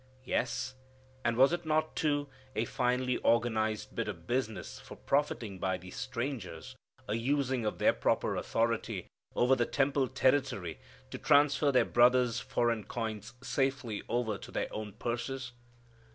Yes and was it not, too, a finely organized bit of business for profiting by these strangers, a using of their proper authority over the temple territory to transfer their brothers' foreign coins safely over to their own purses?